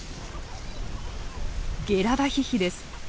ゲラダヒヒです。